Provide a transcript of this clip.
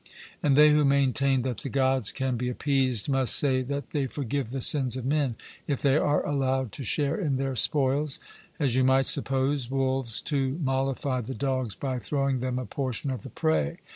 And they who maintain that the Gods can be appeased must say that they forgive the sins of men, if they are allowed to share in their spoils; as you might suppose wolves to mollify the dogs by throwing them a portion of the prey.